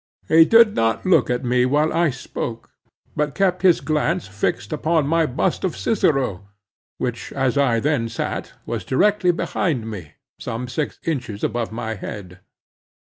He did not look at me while I spoke, but kept his glance fixed upon my bust of Cicero, which as I then sat, was directly behind me, some six inches above my head.